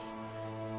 aku gak mau lagi